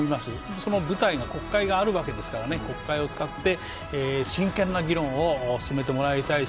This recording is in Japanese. その舞台の国会があるわけですから、国会を使って真剣な議論を進めてもらいたい。